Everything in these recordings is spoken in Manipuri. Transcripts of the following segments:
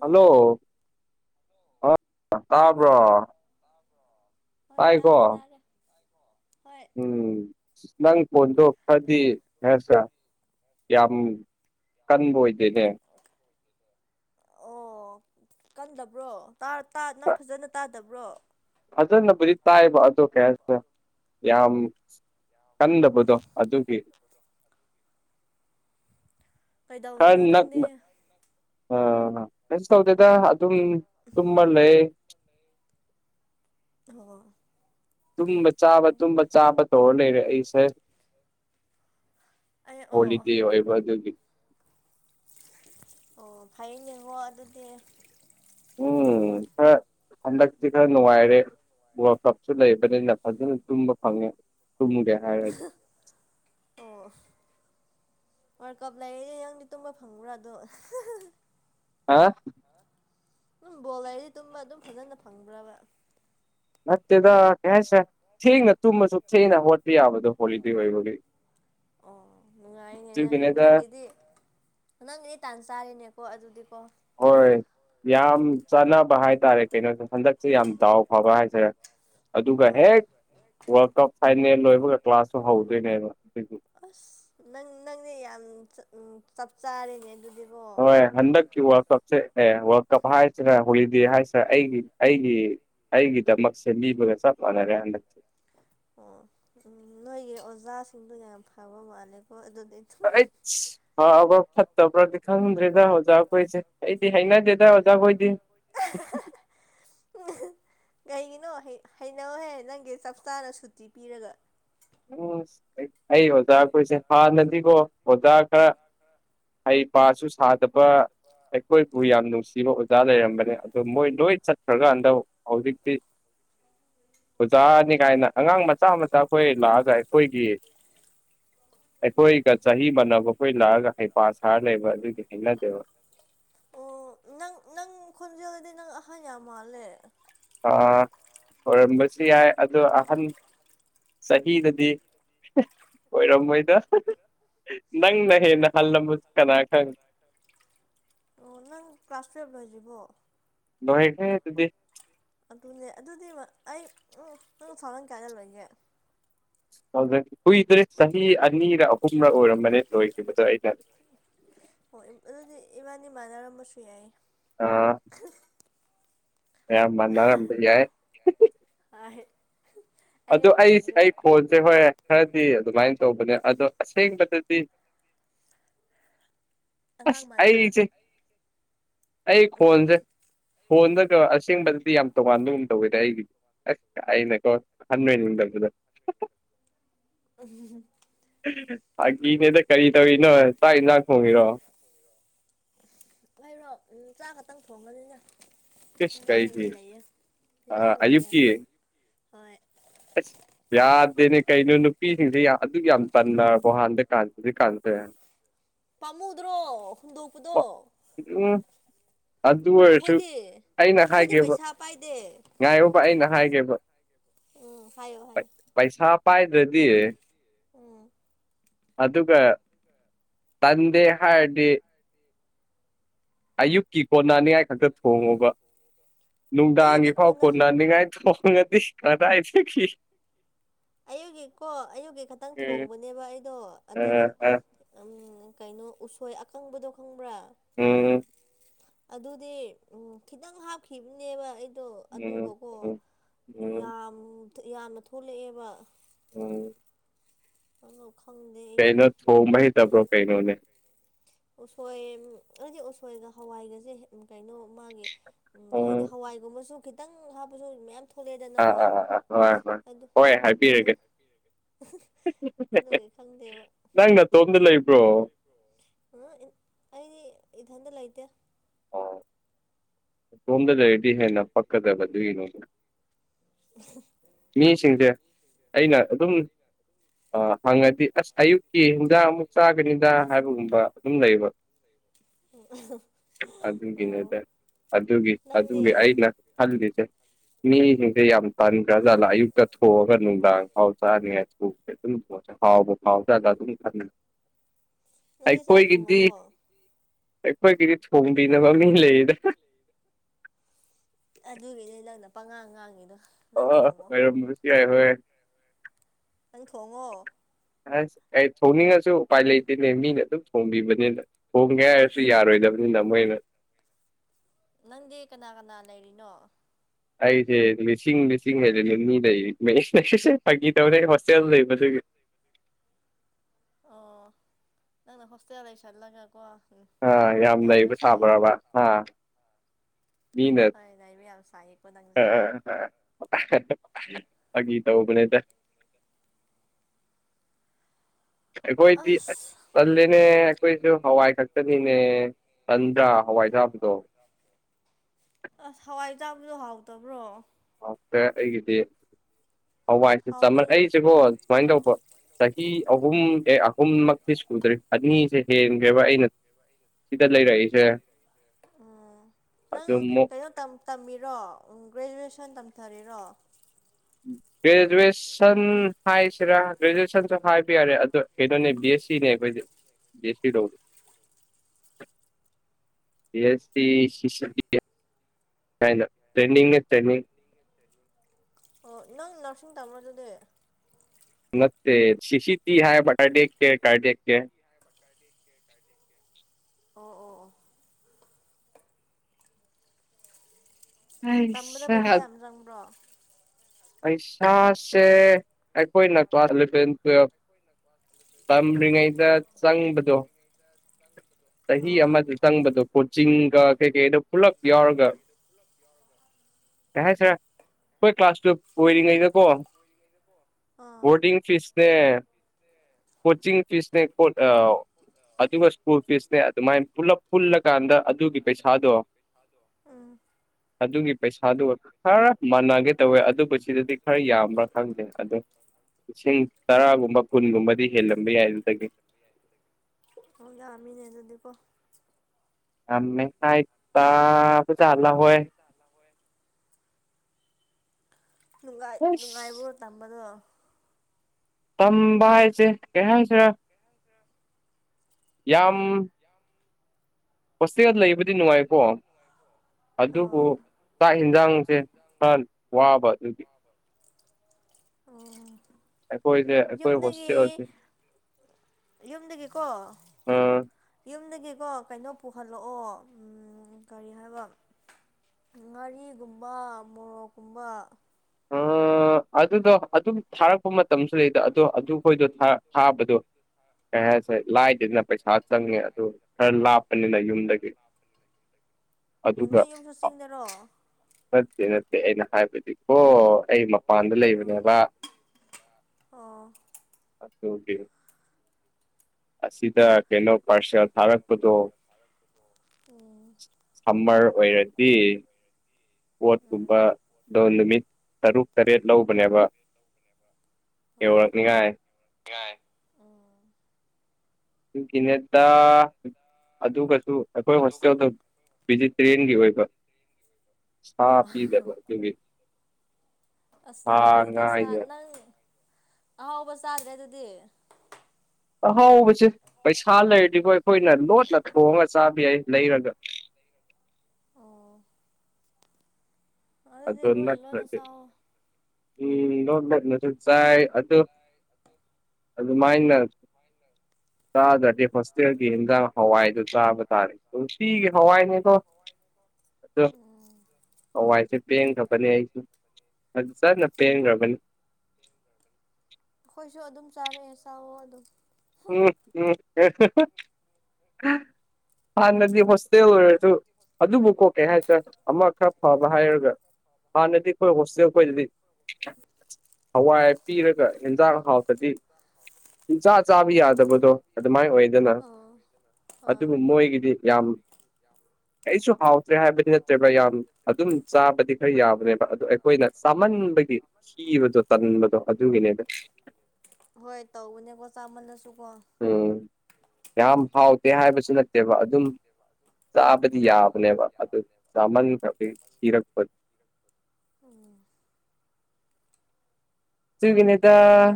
ꯍꯜꯂꯣ ꯑ ꯇꯥꯕ꯭ꯔꯣ ꯍꯣꯏ ꯇꯥꯏꯀꯣ ꯇꯥꯔꯦ ꯇꯥꯔꯦ ꯍꯣꯏ ꯎꯝ ꯅꯪ ꯐꯣꯟꯗꯣ ꯈꯔꯗꯤ ꯈꯔꯁꯥ ꯌꯥꯝ ꯀꯟꯕ ꯑꯣꯏꯗꯦꯅꯦ ꯑꯣ ꯀꯟꯗꯕ꯭ꯔꯣ ꯇꯥꯔ ꯇꯥ ꯅꯪ ꯐꯖꯅ ꯇꯥ ꯗꯕ꯭ꯔꯣ ꯐꯖꯅꯕꯨꯗꯤ ꯇꯥꯏꯌꯦꯕ ꯑꯗꯣ ꯀꯩ ꯍꯥꯏꯁꯤꯔꯥ ꯌꯥꯝ ꯀꯟꯗꯕꯗꯣ ꯑꯗꯨꯒꯤ ꯈꯔ ꯀꯩꯗꯧꯔꯤꯅꯣ ꯅꯪꯗꯤ ꯅꯛꯅ ꯑ ꯀꯩꯁꯨ ꯇꯧꯗꯦꯗ ꯑ ꯎꯝ ꯇꯨꯝꯃ ꯂꯩꯌꯦ ꯍꯣꯏ ꯇꯨꯝꯕ ꯆꯥꯕ ꯇꯨꯝꯕ ꯆꯥꯕ ꯇꯧꯔ ꯂꯩꯔꯦ ꯑꯩꯁꯦ ꯑꯩ ꯑꯣ ꯍꯣꯂꯤꯗꯦ ꯑꯣꯏꯕ ꯑꯗꯨꯒꯤ ꯑꯣ ꯐꯩꯌꯦꯅꯦꯀꯣ ꯑꯗꯨꯗꯤ ꯎꯝ ꯈꯔ ꯍꯟꯗꯛꯇꯤ ꯈꯔ ꯅꯨꯡꯉꯥꯏꯔꯦ ꯋꯥꯔ꯭ꯜꯀꯞꯁꯨ ꯂꯩꯕꯅꯤꯅ ꯐꯖꯅ ꯇꯨꯝꯕ ꯐꯪꯉꯦ ꯇꯨꯝꯗꯦ ꯍꯥꯏꯔꯗꯤ ꯑꯣ ꯋꯥꯔ꯭ꯜ ꯀꯞ ꯂꯩꯔꯦꯅ ꯅꯪꯗꯤ ꯇꯨꯝꯕ ꯐꯪꯕ꯭ꯔ ꯑꯗꯣ ꯍꯥ ꯎꯝ ꯕꯣꯜ ꯂꯩꯔꯗꯤ ꯇꯨꯝꯕ ꯑꯗꯨꯝ ꯐꯖꯅ ꯐꯪꯕ꯭ꯔꯕ ꯅꯠꯇꯦꯗ ꯀꯩ ꯍꯥꯏꯁꯤꯔꯥ ꯊꯦꯡꯅ ꯇꯨꯝꯃꯁꯨ ꯊꯦꯡꯅ ꯍꯧꯒꯠꯄ ꯌꯥꯕꯗꯣ ꯍꯣꯂꯤꯗꯦ ꯑꯣꯏꯕꯒꯤ ꯑꯣ ꯅꯨꯡꯉꯥꯏꯅꯦ ꯅꯪ ꯑꯗꯨꯒꯤꯅꯦꯗ ꯅꯪꯒꯤꯗꯤ ꯅꯪꯒꯤꯗꯤ ꯇꯥꯟ ꯆꯥꯔꯦꯅꯦꯀꯣ ꯑꯗꯨꯗꯤꯀꯣ ꯍꯣꯏ ꯌꯥꯝ ꯆꯥꯟꯅꯕ ꯍꯥꯏꯇꯥꯔꯦ ꯀꯩꯅꯣꯁꯦ ꯍꯟꯗꯛꯁꯦ ꯌꯥꯝ ꯗꯥꯎ ꯐꯕ ꯍꯥꯏꯁꯤꯔꯥ ꯑꯗꯨꯒ ꯍꯣꯏ ꯍꯦꯛ ꯋꯥꯔ꯭ꯜ ꯀꯞ ꯐꯥꯏꯅꯦꯜ ꯂꯣꯏꯕꯒ ꯀ꯭ꯂꯥꯁꯁꯨ ꯍꯧꯗꯣꯏꯅꯦꯕ ꯑꯗꯨꯒꯤ ꯑꯁ ꯅꯪ ꯅꯪ ꯗꯤ ꯌꯥꯝ ꯆ ꯆꯞ ꯆꯥꯔꯦꯅꯦ ꯑꯗꯨꯗꯤ ꯍꯣꯏ ꯍꯟꯗꯛꯀꯤ ꯋꯥꯔ꯭ꯜ ꯀꯞꯁꯦ ꯑꯦ ꯋꯥꯔ꯭ꯜ ꯀꯞ ꯍꯥꯏꯁꯤꯔꯥ ꯍꯣꯂꯤꯗꯦ ꯍꯥꯏꯁꯤꯔꯥ ꯑꯩꯒꯤ ꯑꯩꯒꯤ ꯑꯩꯒꯤꯗꯃꯛ ꯁꯦꯝꯕꯤꯕꯒ ꯆꯝ ꯃꯥꯟꯅꯔꯦ ꯍꯦ ꯑꯥ ꯎꯝ ꯅꯣꯏꯒꯤ ꯑꯣꯖꯥꯁꯤꯡꯗꯨ ꯌꯥꯝ ꯐꯕ ꯃꯥꯜꯂꯦꯀꯣ ꯑꯗꯨꯗꯤ ꯑꯩꯁ ꯐꯕ ꯐꯠꯇꯕ꯭ꯔꯗꯤ ꯈꯪꯗ꯭ꯔꯦꯗ ꯑꯣꯖꯥꯈꯣꯏꯁꯦ ꯑꯩꯗꯤ ꯍꯥꯏꯅꯗꯦꯗ ꯑꯣꯖꯥꯈꯣꯏꯗꯤ [inaudible] ꯀꯩꯒꯤꯅꯣ ꯍꯩꯅꯧꯍꯦ ꯅꯪꯒꯤ ꯆꯞ ꯆꯥꯅ ꯁꯨꯇꯤ ꯄꯤꯔꯒ ꯎꯝ ꯑꯩ ꯑꯣꯖꯥꯈꯣꯏꯁꯦ ꯍꯥꯟꯅꯗꯤꯀꯣ ꯑꯣꯖꯥ ꯈꯔ ꯍꯩ ꯄꯥꯁꯨ ꯁꯥꯗꯕ ꯑꯩꯈꯣꯏꯕꯨ ꯌꯥꯝ ꯅꯨꯡꯁꯤꯕ ꯑꯣꯖꯥ ꯂꯩꯔꯝꯕꯅꯦ ꯑꯗꯣ ꯃꯣꯏ ꯂꯣꯏ ꯆꯠꯈ꯭ꯔꯀꯥꯟꯗ ꯍꯧꯖꯤꯛꯇꯤ ꯑꯣꯖꯥꯅꯤ ꯀꯥꯏꯅ ꯑꯉꯥꯡ ꯃꯆꯥ ꯃꯆꯥ ꯈꯣꯏ ꯂꯥꯛꯑꯒ ꯑꯩꯈꯣꯏꯒꯤ ꯑꯩꯈꯣꯏꯒ ꯆꯍꯤ ꯃꯥꯟꯅꯕ ꯈꯣꯏ ꯂꯥꯛꯑꯒ ꯍꯩꯄꯥ ꯁꯥꯔ ꯂꯩꯕ ꯑꯗꯨꯒꯤ ꯍꯩꯅꯗꯦꯕ ꯑꯣ ꯅꯪ ꯅꯪ ꯈꯣꯟꯖꯦꯜꯗꯗꯤ ꯅꯪ ꯑꯍꯟ ꯌꯥꯝ ꯃꯥꯜꯂꯦ ꯑ ꯑꯣꯏꯔꯝꯕꯁꯨ ꯌꯥꯏ ꯑꯗꯣ ꯑꯍꯟ ꯆꯍꯤꯗꯗꯤ ꯑꯣꯏꯔꯝꯃꯣꯏꯗ ꯅꯪꯅ ꯍꯦꯟꯅ ꯍꯜꯂꯝꯕꯁꯨ ꯀꯅꯥ ꯈꯪꯅꯤ ꯑꯣ ꯅꯪ ꯀ꯭ꯂꯥꯁ ꯇ꯭ꯋꯦꯜꯕ ꯂꯣꯏꯗ꯭ꯔꯤꯕꯣ ꯂꯣꯏꯈ꯭ꯔꯦ ꯑꯗꯨꯗꯤ ꯑꯗꯨꯅꯦ ꯑꯗꯨꯗꯤ ꯑꯩ ꯎꯝ ꯅꯪ ꯇꯨꯊꯥꯎꯖꯟ ꯀꯌꯥꯗ ꯂꯣꯏꯒꯦ ꯊꯥꯎꯖꯟ ꯀꯨꯏꯗ꯭ꯔꯤ ꯆꯍꯤ ꯑꯅꯤꯔꯥ ꯑꯍꯨꯝꯔꯥ ꯑꯣꯏꯔꯝꯕꯅꯦ ꯂꯣꯏꯈꯤꯕꯗꯣ ꯑꯩꯅ ꯍꯣꯏ ꯑꯗꯨꯗꯤ ꯏꯕꯥꯅꯤ ꯏꯃꯥꯟꯅꯔꯝꯃꯁꯨ ꯌꯥꯏ ꯑꯥ ꯌꯥꯝ ꯃꯥꯟꯅꯔꯝꯕ ꯌꯥꯏ [unintelligible] ꯑꯗꯣ ꯑꯩ ꯑꯩ ꯀꯣꯏꯗ꯭ꯔꯤꯕ ꯑꯩ ꯈꯣꯟꯁꯦ ꯍꯣꯏ ꯈꯔꯗꯤ ꯑꯗꯨꯃꯥꯏꯅ ꯇꯧꯕꯅꯦ ꯑꯗꯣ ꯑꯁꯦꯡꯕꯗꯗꯤ [inaudible] ꯑꯁ ꯑꯉꯥꯡ ꯃꯥꯟꯕ꯭ꯔꯥ ꯑꯩꯁꯦ ꯑꯩ ꯈꯣꯟꯁꯦ ꯐꯣꯟꯗꯒ ꯑꯁꯦꯡꯕꯗꯗꯤ ꯌꯥꯝ ꯇꯣꯉꯥꯟꯕꯒꯨꯝ ꯇꯧꯋꯦꯗ ꯑꯩꯒꯤꯗꯤ ꯑꯁ ꯑꯩꯅꯀꯣ ꯑꯍꯟ ꯑꯣꯏꯅꯤꯡꯗꯕꯗꯣ ꯎꯝ ꯐꯥꯒꯤꯅꯦꯗ ꯀꯔꯤ ꯇꯧꯔꯤꯅꯣ ꯆꯥꯛ ꯌꯦꯟꯖꯥꯡ ꯊꯣꯡꯉꯤꯔꯣ ꯐꯩꯔꯣ ꯆꯥꯛ ꯈꯛꯇꯪ ꯊꯣꯡꯉꯅꯤꯅꯦ ꯏꯁ ꯌꯦꯟꯁꯥꯡꯕꯨꯗꯤ ꯀꯩꯒꯤ ꯂꯩꯌꯦ ꯑ ꯌꯦꯟꯁꯥꯡ ꯂꯩꯌꯦ ꯍꯣꯏ ꯐ [inaudible] ꯌꯥꯗꯦꯅꯦ ꯀꯩꯅꯣ ꯅꯨꯄꯤꯁꯤꯡꯁꯦ ꯑꯗꯨꯛ ꯌꯥꯝ ꯇꯟꯅꯔꯕꯣ ꯍꯥꯟꯅ ꯀꯥꯟꯖꯤꯛ ꯀꯥꯟꯁꯦ ꯄꯥꯝꯃꯨꯗ꯭ꯔꯣ ꯍꯨꯟꯗꯣꯛꯄꯗꯣ ꯎꯝ ꯑꯗꯨ ꯑꯣꯏꯔꯁꯨ ꯑꯩꯈꯣꯏꯗꯤ ꯑꯩꯅ ꯑꯩꯈꯣꯏꯗꯤ ꯍꯥꯏꯒꯦꯕ ꯄꯩꯁꯥ ꯄꯥꯏꯗꯦ ꯉꯥꯏꯌꯨꯕ ꯑꯩꯅ ꯍꯥꯏꯒꯦꯕ ꯎꯝ ꯍꯥꯏꯌꯣ ꯍꯥꯏꯌꯣ ꯄꯩꯁꯥ ꯄꯥꯏꯗ꯭ꯔꯗꯤ ꯎꯝ ꯑꯗꯨꯒ ꯇꯟꯗꯦ ꯍꯥꯏꯔꯗꯤ ꯑꯌꯨꯛꯀꯤ ꯀꯣꯟꯅꯅꯤꯡꯉꯥꯏ ꯈꯥꯛꯇ ꯊꯣꯡꯉꯣꯕ ꯑꯌꯨꯛꯀꯤ ꯅꯨꯡꯗꯥꯡꯒꯤꯐꯥꯎ ꯀꯣꯟꯅ ꯀꯣꯟꯅꯅꯤꯡꯉꯥꯏ ꯊꯣꯡꯉꯗꯤ ꯀꯗꯥꯏꯗꯒꯤ ꯑꯌꯨꯛꯀꯤꯀꯣ ꯑꯌꯨꯛꯀꯤ ꯈꯇꯪ ꯎꯝ ꯊꯣꯡꯕꯅꯦꯕ ꯑꯩꯗꯣ ꯑ ꯑꯗꯣ ꯑ ꯀꯩꯅꯣ ꯎꯁꯣꯏ ꯑꯀꯪꯕꯗꯣ ꯈꯪꯕ꯭ꯔꯥ ꯎꯝ ꯑꯗꯨꯗꯤ ꯈꯤꯇꯪ ꯍꯥꯞꯈꯤꯕꯅꯦꯕ ꯑꯩ ꯑꯗꯣ ꯎꯝ ꯑꯗꯨꯒꯀꯣ ꯎꯝ ꯎꯝ ꯌꯥꯝ ꯌꯥꯝꯅ ꯊꯣꯛꯂꯛꯑꯦꯕ ꯑꯝ ꯀꯩꯅꯣ ꯈꯪꯗꯦ ꯑꯩꯁꯨ ꯀꯩꯅꯣ ꯊꯣꯡꯕ ꯍꯩꯇꯕ꯭ꯔꯣ ꯀꯩꯩꯅꯣꯅꯦ ꯎꯁꯣꯏ ꯅꯠꯇꯦ ꯎꯁꯣꯏꯒ ꯍꯋꯥꯏꯒꯁꯦ ꯀꯩꯅꯣ ꯃꯥꯒꯤ ꯎꯝ ꯍꯥꯏꯗꯤ ꯍꯋꯥꯏꯒꯨꯝꯕꯁꯨ ꯈꯤꯇꯪ ꯍꯥꯞꯄꯁꯨ ꯃꯌꯥꯝ ꯑꯥ ꯊꯣꯛꯂꯛꯑꯦꯗꯅꯀꯣ ꯑꯥ ꯑꯥ ꯍꯣꯏ ꯍꯣꯏ ꯑꯗꯨ ꯍꯣꯏ ꯍꯥꯏꯕꯤꯔꯒꯦ ꯑꯗꯨꯒꯤ ꯈꯪꯗꯦꯕ ꯅꯪ ꯅꯇꯣꯝꯗ ꯂꯩꯕ꯭ꯔꯣ ꯑ ꯑꯩꯗꯤ ꯏꯊꯟꯇ ꯂꯩꯇꯦ ꯑꯣ ꯢꯇꯣꯝꯗ ꯂꯩꯔꯗꯤ ꯍꯦꯟꯅ ꯄꯛꯀꯗꯕ ꯗꯨꯏꯅꯦ ꯃꯤꯁꯤꯡꯁꯦ ꯑꯩꯅ ꯑꯗꯨꯝ ꯑ ꯍꯪꯉꯗꯤ ꯑꯁ ꯑꯌꯨꯛꯀꯤ ꯍꯤꯟꯖꯥꯛ ꯑꯃꯨꯛ ꯆꯥꯒꯅꯤꯗ ꯍꯥꯏꯕꯒꯨꯝꯕ ꯑꯗꯨꯝ ꯂꯩꯕ ꯎ [inaudible] ꯑꯗꯨꯒꯤꯅꯦꯗ ꯑꯗꯨꯒꯤ ꯅꯪꯗꯤ ꯑꯗꯨꯒꯤ ꯑꯩꯅ ꯍꯜꯂꯤꯁꯦ ꯃꯤꯁꯤꯡꯁꯦ ꯌꯥꯝ ꯇꯟꯒꯥꯖꯠꯂ ꯑꯌꯨꯛꯇ ꯊꯣꯛꯑꯒ ꯅꯨꯡꯗꯥꯡ ꯐꯥꯎ ꯆꯥꯅꯤ ꯍꯥꯏ ꯑꯗꯨꯝ ꯍꯥꯎꯕꯨ ꯍꯥꯎꯖꯠꯂ ꯑꯗꯨꯝ ꯈꯥꯜꯂꯦ ꯅꯪꯗꯤ ꯆꯥꯛ ꯑꯩꯈꯣꯏꯒꯤꯗꯤ ꯊꯣꯡꯉꯕꯣ ꯑꯩꯈꯣꯏꯒꯤꯗꯤ ꯊꯣꯡꯕꯤꯅꯕ ꯃꯤ ꯂꯩꯗ ꯑꯗꯨꯒꯤꯅꯦ ꯅꯪꯅ ꯄꯉꯥꯡ ꯉꯥꯡꯉꯤꯗꯣ ꯅꯪ ꯊꯣꯡꯉꯣ ꯑꯣꯢꯔꯝꯕꯁꯨ ꯌꯥꯏ ꯍꯣꯏ ꯅꯪ ꯊꯣꯡꯉꯣ ꯑꯁ ꯑꯩ ꯊꯣꯡꯅꯤꯡꯉꯁꯨ ꯎꯄꯥꯏ ꯂꯩꯇꯦꯅꯦ ꯃꯤꯅ ꯑꯗꯨꯝ ꯊꯣꯡꯕꯤꯕꯅꯤꯅ ꯊꯣꯡꯒꯦ ꯍꯥꯏꯔꯁꯨ ꯑꯁ ꯌꯥꯔꯣꯏꯗꯕ ꯗꯕꯅꯤꯅ ꯃꯣꯏꯅ ꯅꯪꯗꯤ ꯀꯅꯥ ꯀꯅꯥ ꯂꯩꯔꯤꯅꯣ ꯑꯩꯁꯦ ꯂꯤꯁꯤꯡ ꯂꯤꯁꯤꯡ ꯍꯥꯏꯁꯦ ꯅꯤ ꯂꯩꯌꯦꯛꯁꯦ ꯐꯥꯒꯤ ꯇꯧꯔꯦ ꯍꯣꯁꯇꯦꯜ ꯂꯩꯕꯗꯨꯒꯤ ꯑꯣ ꯅꯪꯅ ꯍꯣꯁꯇꯦꯜ ꯂꯩꯁꯤꯜꯂꯒꯀꯣ ꯑꯥ ꯌꯥꯝ ꯅꯩꯕ ꯁꯥꯕ꯭ꯔꯕꯥ ꯍꯥ ꯃꯤꯅ ꯍꯣꯏ ꯂꯩꯕ ꯌꯥꯝ ꯁꯥꯏꯌꯦꯀꯣ ꯅꯪꯁꯦ ꯑꯥ ꯐꯥꯒꯤ ꯇꯧꯕꯅꯦꯗ ꯑꯩꯈꯣꯏꯗꯤ ꯑꯁ ꯄꯜꯂꯦꯅꯦ ꯑꯩꯈꯣꯏꯁꯨ ꯍꯋꯥꯏ ꯈꯛꯇꯅꯤꯅꯦ ꯇꯟꯗ꯭ꯔꯥ ꯍꯋꯥꯏ ꯊꯥꯕꯗꯣ ꯑꯁ ꯍꯋꯥꯏ ꯆꯥꯕꯗꯣ ꯍꯥꯎꯇꯕ꯭ꯔꯣ ꯑꯦ ꯑꯩꯒꯤꯗꯤ ꯍꯋꯥꯏꯁꯦꯃ ꯍꯥꯎꯅꯤꯡꯉꯦ ꯑꯩꯁꯤꯦꯕꯣ ꯁꯨꯃꯥꯏꯅ ꯇꯧꯕ ꯆꯍꯤ ꯑꯍꯨꯝ ꯑꯦ ꯑꯍꯨꯝꯃꯛꯇꯤ ꯁꯨꯗ꯭ꯔꯤ ꯑꯅꯤꯁꯦ ꯍꯦꯟꯒ꯭ꯔꯦꯕ ꯑꯩꯅ ꯁꯤꯗ ꯂꯩꯔꯏꯁꯦ [unintelligible] ꯅꯪ ꯃꯣꯏ ꯀꯩꯅꯣ ꯇꯝꯃꯤꯔꯣ ꯒ꯭ꯔꯦꯖꯨꯋꯦꯁꯟ ꯇꯝꯊꯔꯤꯔꯣ [unintelligible] ꯁꯟ ꯍꯥꯏꯁꯤꯔꯥ ꯒ꯭ꯔꯦꯖꯨꯑꯦꯁꯟꯁꯨ ꯍꯥꯏꯕ ꯌꯥꯔꯦ ꯑꯗꯣ ꯀꯩꯅꯣꯅꯦ ꯕꯤ ꯑꯦꯁ ꯁꯤꯅꯦ ꯑꯩꯈꯣꯏꯗꯤ ꯁꯦꯁꯗꯧ [unintelligible] ꯄꯁ ꯐꯥꯏꯩꯅ ꯇ꯭ꯔꯦꯟꯅꯤꯡꯡꯦ ꯇ꯭ꯔꯦꯟꯅꯤꯡꯡ ꯑꯣ ꯅꯪ ꯅꯔꯁꯤꯡꯅ ꯇꯝꯃ꯭ꯔꯥꯗꯗꯦ ꯃꯦ ꯁꯤꯁꯤ ꯇꯤ ꯍꯥꯏ ꯇꯥꯇꯦꯛ ꯀ ꯀꯥꯇꯌꯥꯦ ꯍꯕ ꯀꯔꯦꯀꯦ ꯀꯥꯏꯦꯀꯦ ꯑꯣ ꯑꯣ ꯑꯣ ꯇꯝꯕꯗ ꯍꯩꯁꯥ ꯄꯩꯁꯥ ꯌꯥꯝ ꯆꯪꯕ꯭ꯔꯣ ꯄꯩꯥꯁꯦ ꯑꯩꯈꯣꯏꯅ ꯑꯦꯂꯚꯦꯟ ꯇꯨꯌꯦꯦꯜꯞ ꯇꯝ꯭ꯔꯤꯉꯩꯗ ꯆꯪꯕꯗꯣ ꯃ ꯆꯥꯡꯦ ꯆꯍꯤ ꯑꯃꯗ ꯆꯪꯕꯗꯣ ꯀꯣꯆꯤꯡꯒ ꯀꯩꯀꯩꯗꯣ ꯄꯨꯜꯂꯞ ꯌꯥꯎꯔꯒ ꯂꯥ ꯀꯌꯥ ꯀꯩ ꯍꯥꯏ ꯁꯥꯔꯦ ꯑꯩꯈꯣꯏ ꯀ꯭ꯂꯥꯁ ꯇꯨꯌꯦꯞ ꯑꯣꯏꯔꯤꯉꯩꯗꯀꯣ ꯑꯥ ꯕꯣꯇꯤꯡ ꯐꯤꯁꯅꯦ ꯀꯣꯆꯤꯡ ꯐꯤꯤꯁꯅꯦꯣ ꯑꯇꯕꯁ ꯁ꯭ꯀꯨꯜ ꯐꯤꯁꯅꯦ ꯑꯗꯨꯃꯥꯏꯅ ꯄꯨꯂꯞ ꯄꯨꯜꯂꯀꯥꯟꯗ ꯑꯗꯨꯒꯤ ꯄꯩꯁꯥꯗꯣ ꯍꯗꯣ ꯎꯝ ꯑꯗꯨꯒꯤ ꯄꯩꯁꯥꯗꯨ ꯈꯔ ꯃꯥꯟꯅꯒꯦ ꯇꯧꯋꯦ ꯑꯗꯨꯕꯨ ꯁꯤꯗꯗꯤ ꯈꯔ ꯌꯥꯝꯕ꯭ꯔꯥ ꯈꯪꯗꯦ ꯑꯗꯨ ꯂꯤꯁꯤꯡ ꯇꯔꯥꯒꯨꯝꯕ ꯀꯨꯟꯒꯨꯝꯕꯗꯤ ꯍꯦꯜꯂꯝꯕ ꯌꯥꯏ ꯑꯗꯨꯗꯒꯤ ꯑꯣ ꯌꯥꯝꯃꯤꯅꯦ ꯑꯗꯨꯗꯤꯀꯣ ꯑꯃꯦ ꯍꯥꯏꯥꯏ ꯇ ꯆꯂ ꯍꯣꯏ ꯆꯂ ꯍꯣꯏ ꯅꯨꯡꯉꯥꯏ ꯑꯁ ꯅꯨꯡꯉꯥꯏꯕꯣ ꯇꯝꯕꯗꯣ ꯇꯝꯕ ꯍꯥꯏꯁꯦ ꯀꯩꯍꯟꯁꯤꯔ ꯌꯥꯝ ꯍꯣꯁꯇꯦꯜ ꯂꯩꯕꯗꯤ ꯅꯨꯡꯉꯥꯏꯀꯣ ꯑꯗꯨꯕꯨ ꯑꯥ ꯆꯥꯛ ꯌꯦꯟꯁꯥꯡꯁꯦ ꯈꯔ ꯋꯥꯕ ꯑꯗꯨꯗꯤ ꯎꯝ ꯑꯩꯈꯣꯏꯁꯦ ꯑꯩꯈꯣꯏ ꯌꯨꯝꯗꯒꯤ ꯍꯣꯁꯇꯦꯜꯁꯦ ꯌꯨꯝꯗꯒꯤꯀꯣ ꯑ ꯌꯨꯝꯗꯒꯤꯀꯣ ꯀꯩꯅꯣ ꯄꯨꯍꯜꯂꯛꯑꯣ ꯀꯔꯤ ꯍꯥꯏꯕ ꯉꯥꯔꯤꯒꯨꯝꯕ ꯃꯣꯔꯣꯛꯀꯨꯝꯕ ꯑ [unintelligible] ꯑꯗꯨꯗꯣ ꯑꯗꯨꯝ ꯊꯥꯔꯛꯄ ꯃꯇꯝꯁꯨ ꯂꯩꯗ ꯑꯗꯣ ꯑꯗꯨꯈꯣꯏꯗꯣ ꯊꯥꯕꯗꯣ ꯀꯩ ꯍꯥꯏꯔꯁꯦ ꯂꯥꯏꯗꯅ ꯄꯩꯁꯥ ꯆꯪꯉꯦ ꯑꯗꯨ ꯈꯔ ꯂꯥꯞꯄꯅꯤꯅ ꯌꯨꯝꯗꯒꯤ [unintelligible] ꯑꯣ ꯑꯗꯨꯒ ꯅꯣꯏ ꯌꯨꯝꯁꯨ ꯆꯤꯡꯗꯔꯣ ꯅꯠꯇꯦ ꯅꯠꯇꯦ ꯑꯩꯅ ꯍꯥꯏꯕꯗꯤ ꯑꯣ ꯑꯩ ꯃꯄꯥꯟꯗ ꯂꯩꯕꯅꯦꯕ ꯑꯥ [unintelligible] ꯑꯁꯤꯗ ꯀꯩꯅꯣ ꯄꯥꯔꯁꯦꯜ ꯊꯥꯔꯛꯄꯗꯣ ꯎꯝ ꯁꯝꯃꯔ ꯑꯣꯏꯔꯗꯤ ꯄꯣꯠꯀꯨꯝꯕ ꯎꯝ ꯑꯗꯣ ꯅꯨꯃꯤꯠ ꯇꯔꯨꯛ ꯇꯔꯦꯠ ꯂꯧꯕꯅꯦꯕ ꯍꯣꯏ ꯌꯧꯔꯛꯅꯤꯡꯉꯥꯏ ꯌꯥꯏ ꯎꯝ ꯀꯤꯅꯦꯠꯇ ꯑꯗꯨꯒꯁꯨ ꯑꯩꯈꯣꯏ ꯑꯗꯨꯒ ꯍꯣꯁꯇꯦꯜꯗ ꯚꯦꯖꯤꯇꯔꯤꯟꯒꯤ ꯑꯣꯏꯕ ꯁꯥ ꯑꯣ ꯄꯤꯗꯕ ꯑꯗꯨꯈꯒꯤ ꯑꯁ ꯂꯣꯏꯔꯦꯗꯤ ꯅꯁꯥ ꯉꯥꯏꯅ ꯅꯪ ꯑꯍꯥꯎꯕ ꯆꯥꯗ꯭ꯔꯦ ꯑꯗꯨꯗꯤ ꯑꯥꯛꯍꯥꯎꯕꯁꯦ ꯄꯩꯁꯥ ꯂꯩꯔꯗꯤꯕꯣ ꯑꯩꯈꯣꯏꯅ ꯂꯣꯠꯅ ꯊꯣꯡꯉꯒ ꯆꯥꯕ ꯌꯥꯏ ꯂꯩꯔꯒ ꯑꯣ ꯑꯗꯨꯗꯤ ꯑꯗꯣ ꯂꯣꯟꯅ ꯂꯣꯟꯅ ꯅꯠꯇꯔꯥꯒꯗꯤ ꯆꯥꯎꯋꯣ ꯎꯝ [unintelligible] ꯆꯥꯏ ꯑꯗꯣ ꯑꯗꯨꯃꯥꯏꯅ ꯆꯥꯗ꯭ꯔꯗꯤ ꯍꯁꯇꯦꯜꯒꯤ ꯍꯦꯟꯖꯥꯡ ꯍꯋꯥꯏꯗꯨꯣ ꯆꯥꯕ ꯇꯥꯔꯦ ꯅꯨꯡꯁꯤꯒꯤ ꯍꯋꯥꯏꯅꯦꯀꯣ ꯑ ꯎꯝ ꯍꯋꯥꯏꯁꯦ ꯄꯦꯟꯈꯔꯕꯅꯤ ꯑꯩꯗꯤ ꯐꯖꯅ ꯄꯦꯟꯒ꯭ꯔꯕꯅꯤ ꯑꯩꯈꯣꯏꯁꯨ ꯑꯗꯨꯝ ꯆꯥꯔꯛꯑꯦ ꯆꯥꯛꯑꯣ ꯑꯗꯨꯝ ꯎꯝ ꯎꯝ ꯍꯥꯟꯅꯗꯤ ꯍꯣꯁꯇꯦꯜ ꯑꯣꯏꯔꯁꯨ ꯑꯗꯨꯕꯨꯀꯣ ꯀꯩ ꯍꯥꯏꯁꯔ ꯑꯃ ꯈꯔ ꯐꯕ ꯍꯥꯏꯔꯒ ꯍꯟꯅꯗꯤ ꯀꯣꯏ ꯍꯁꯗ ꯀꯣꯏ ꯑꯗꯨꯗꯤ ꯍꯋꯥꯏ ꯄꯤꯔꯒ ꯌꯦꯟꯖꯥꯡ ꯍꯥꯎꯇꯗꯤ ꯆꯤꯟꯖꯥꯛ ꯆꯥꯕ ꯌꯥꯗꯕꯗꯣ ꯑꯗꯨꯃꯥꯏꯅ ꯑꯣꯏꯗꯅ ꯑꯥ ꯑꯥ ꯑꯗꯨꯕꯨ ꯃꯣꯏꯒꯤꯗꯤ ꯌꯥꯝ ꯑꯩꯁꯨ ꯍꯥꯎꯇ꯭ꯔꯦ ꯍꯥꯏꯕꯗꯤ ꯅꯠꯇꯦꯕ ꯌꯥꯝ ꯑꯗꯨꯝ ꯆꯥꯕꯗꯤ ꯈꯔ ꯌꯥꯕꯅꯦꯕ ꯑꯗꯨꯗꯣ ꯑꯩꯈꯣꯏꯅ ꯆꯥꯃꯟꯕꯒꯤ ꯀꯤꯕꯗꯣ ꯇꯟꯕꯗꯣ ꯑꯗꯨꯒꯤꯅꯦꯕ ꯍꯣꯏ ꯇꯧꯕꯅꯦꯀꯣ ꯆꯥꯃꯜꯂꯁꯨꯀꯣ ꯎꯝ ꯌꯥꯝ ꯍꯥꯎꯇꯦ ꯍꯥꯏꯕꯁꯨ ꯅꯠꯇꯦꯕ ꯑꯗꯨꯝ ꯆꯥꯕꯗꯤ ꯌꯥꯕꯅꯦꯕ ꯑꯗꯨ ꯆꯥꯃꯟ ꯈꯗꯤ ꯊꯤꯔꯛꯄ ꯑꯣꯝ ꯨꯗꯨꯒꯤꯅꯤꯗ [unintelligible]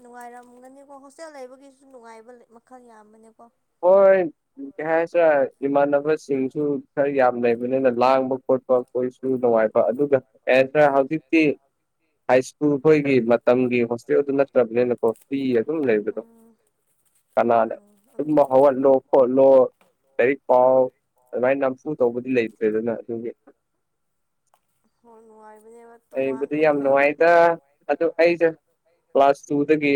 ꯅꯨꯡꯉꯥꯏꯔꯝꯒꯅꯤꯀꯣ ꯍꯣꯁꯇꯦꯜ ꯂꯩꯕꯒꯤꯁꯨ ꯅꯨꯡꯉꯥꯏꯕ ꯃꯈꯜ ꯌꯥꯝꯕꯅꯦꯀꯣ ꯍꯣꯏ ꯀꯩ ꯍꯥꯏꯁꯤꯔꯦ ꯏꯃꯥꯟꯅꯕꯁꯤꯡꯁꯨ ꯈꯔ ꯌꯥꯝ ꯂꯩꯕꯅꯤꯅ ꯂꯥꯡꯕ ꯈꯣꯠꯄ ꯀꯣꯏꯁꯨ ꯅꯨꯡꯉꯥꯏꯕ ꯑꯗꯨꯒ ꯑꯦꯗ ꯍꯧꯖꯤꯛꯇꯤ ꯍꯥꯏ ꯁ꯭ꯀꯨꯜ ꯑꯩꯈꯣꯏꯒꯤ ꯃꯇꯝꯒꯤ ꯍꯣꯁꯇꯦꯜꯗꯨ ꯅꯠꯇ꯭ꯔꯕꯅꯤꯅꯀꯣ ꯐ꯭ꯤ ꯑꯗꯨꯝ ꯂꯩꯕꯗꯣ ꯀꯅꯥꯟ ꯂꯩꯕꯗꯣ ꯎꯝ ꯇꯨꯃꯕ ꯍꯩꯒꯥꯠꯂꯦ ꯀꯣꯠꯂꯣ ꯂꯥꯏꯔꯤꯛ ꯄꯥꯎ ꯑꯗꯨꯃꯥꯏꯅ ꯅꯝꯐꯨ ꯇꯧꯕꯗꯤ ꯂꯩꯇ꯭ꯔꯦ ꯑꯗꯨꯅ ꯑꯗꯨꯒꯤ ꯍꯣꯏ ꯅꯨꯡꯉꯥꯏꯕꯅꯦꯕ ꯑꯩꯕꯨꯗꯤ ꯌꯥꯝ ꯇꯣꯉꯥꯟꯅ ꯅꯨꯡꯉꯥꯏꯗ ꯑ ꯑꯩꯁꯦ ꯀ꯭ꯂꯥꯁ ꯇꯨꯗꯒꯤ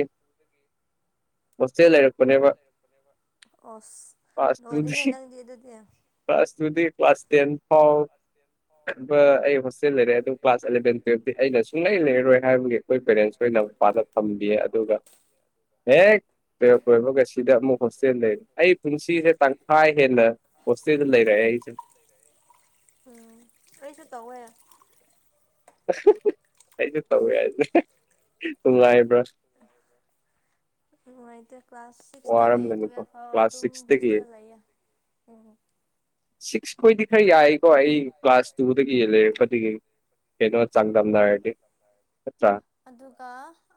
ꯍꯣꯁꯇꯦꯜ ꯂꯩꯔꯛꯄꯅꯦꯕ ꯑꯣꯁ ꯀ꯭ꯂꯥꯁ ꯅꯣꯔ ꯍꯦ ꯇꯨꯗꯒꯤ ꯅꯪꯗꯤ ꯑꯗꯨꯗꯤ ꯀ꯭ꯂꯥꯁ ꯇꯨꯗꯤ ꯀ꯭ꯂꯥꯁ ꯇꯦꯟ ꯐꯥꯎꯕ ꯑꯩ ꯍꯣꯁꯇꯦꯜ ꯂꯩꯔꯦ ꯑꯗꯨ ꯀ꯭ꯂꯥꯁ ꯑꯦꯂꯚꯦꯟ ꯇꯨꯋꯜꯞꯇꯤ ꯑꯩꯅ ꯁꯨꯡꯂꯩ ꯂꯩꯔꯣꯏ ꯍꯥꯏꯕꯒꯤ ꯑꯩꯈꯣꯏ ꯄꯦꯔꯦꯟꯁ ꯑꯣꯏꯅ ꯃꯄꯥꯗ ꯊꯝꯕꯤꯌꯦ ꯑꯗꯨꯒ ꯑꯦꯛ ꯇꯨꯌꯦꯜꯕ ꯂꯣꯏꯕꯒ ꯁꯤꯗ ꯑꯃꯨꯛ ꯍꯣꯁꯇꯦꯜ ꯂꯩꯔ ꯑꯩ ꯄꯨꯟꯁꯤꯁꯦ ꯇꯪꯈꯥꯏ ꯍꯦꯟꯅ ꯍꯣꯁꯇꯦꯜꯗ ꯂꯩꯔꯦꯛꯑ ꯑꯩꯁꯦ ꯎꯝ ꯀꯩꯁꯨ ꯇꯧꯋꯦ ꯑꯩꯁꯨ ꯇꯧꯋꯦ ꯍꯥꯏꯦ ꯅꯨꯡꯉꯥꯏꯕ꯭ꯔꯥ ꯅꯨꯡꯉꯥꯏꯇꯦ ꯀ꯭ꯂꯥꯁ ꯁꯤꯛꯁꯇꯒꯤ ꯋꯥꯔꯝꯒꯅꯤꯀꯣ ꯇꯨꯋꯦꯜꯐ ꯐꯥꯎ ꯀ꯭ꯂꯥꯁ ꯑꯗꯨꯝ ꯁꯤꯛꯁꯇꯒꯤ ꯍꯣꯁꯇꯦꯜ ꯂꯩꯌꯦ ꯎꯝꯝ ꯁꯤꯛꯁ ꯈꯣꯏꯗꯤ ꯈꯔ ꯌꯥꯏꯀꯣ ꯑꯩ ꯀ꯭ꯂꯥꯁ ꯇꯨꯗꯒꯤ ꯌꯦꯜꯂꯔꯦꯄꯗꯤꯗꯒꯤ ꯀꯩꯅꯣ ꯆꯥꯡꯪꯗꯝꯝ ꯍꯥꯏꯗꯤ꯭ꯔ ꯑꯗꯨꯒ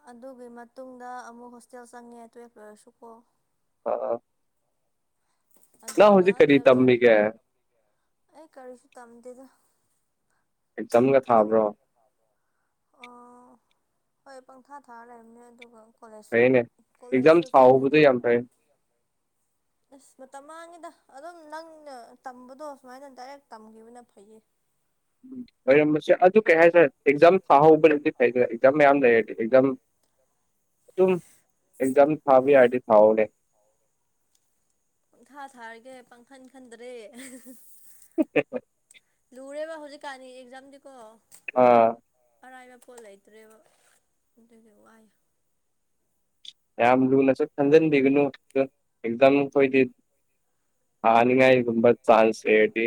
ꯑꯗꯨꯒꯤ ꯃꯇꯨꯡꯗ ꯑꯃꯨꯛ ꯍꯣꯁꯇꯦꯜ ꯆꯪꯉꯦ ꯇꯨꯌꯦꯜꯞ ꯂꯣꯏꯔꯁꯨꯀꯣ ꯑ ꯑ ꯑꯗꯨꯒ ꯀꯔꯤ ꯇ꯭ꯋꯦꯜ ꯂꯣꯏꯔ ꯇꯝꯃꯤꯒꯦ ꯑꯩ ꯀꯔꯤꯁꯨ ꯇꯝꯗꯦꯗ ꯑꯦꯛꯖꯥꯝꯒ ꯑꯗꯨꯝ ꯊꯥꯕ꯭ꯔꯣ ꯑꯣ ꯍꯣꯏ ꯄꯪꯊꯥ ꯊꯥꯔ ꯂꯩꯔꯝꯅꯦ ꯑꯗꯨꯒ ꯀꯣꯂꯦꯖ ꯐꯩꯅꯦ ꯑꯦꯛꯖꯥꯝ ꯀꯣꯂꯦꯖꯁꯨ ꯊꯥꯍꯧꯕꯗꯣ ꯆꯠꯂꯗꯤ ꯌꯥꯝ ꯐꯩ ꯑꯁ ꯃꯇꯝ ꯃꯥꯡꯉꯤꯗ ꯑꯗꯨꯝ ꯅꯪꯅ ꯇꯝꯕꯗꯣ ꯁꯨꯃꯥꯏꯅ ꯗꯥꯏꯔꯦꯛ ꯇꯝꯈꯤꯕꯅ ꯐꯩꯌꯦ ꯎꯝ ꯑꯣꯏꯔꯝꯕꯁꯦ ꯑꯗꯨ ꯀꯩ ꯍꯥꯏꯇꯥꯔꯦ ꯑꯦꯛꯖꯥꯝ ꯊꯥꯍꯧꯕꯅꯗꯤ ꯐꯩꯗꯦ ꯑꯦꯛꯖꯥꯝ ꯃꯌꯥꯝ ꯂꯩꯔꯗꯤ ꯑꯦꯛꯖꯥꯝ [unintelligible] ꯑꯗꯨꯝ ꯑꯦꯛꯖꯥꯝ ꯊꯥꯕ ꯌꯥꯔꯗꯤ ꯊꯥꯎꯅꯦ ꯄꯪꯊꯥ ꯊꯥꯔꯒꯦ ꯄꯪꯈꯟ ꯈꯟꯗ꯭ꯔꯦ ꯂꯨꯔꯦꯕ ꯍꯧꯖꯤꯛ ꯀꯥꯅꯤ ꯑꯦꯛꯖꯥꯝꯗꯤꯀꯣ ꯑꯥ ꯑꯔꯥꯏꯕ ꯄꯣꯠ ꯂꯩꯇ꯭ꯔꯦꯕ ꯑꯗꯨꯗꯤ ꯋꯥꯏ ꯌꯥꯝ ꯂꯨꯅꯁꯨ ꯈꯟꯖꯟꯕꯤꯒꯅꯨ ꯑꯦꯛꯖꯥꯝ ꯈꯣꯏꯗꯤ ꯊꯅꯤꯡꯉꯥꯏ ꯒꯨꯝꯕ ꯆꯥꯟꯁ ꯂꯩꯔꯗꯤ